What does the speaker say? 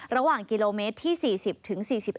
ระหว่างกิโลเมตรที่๔๐ถึง๔๑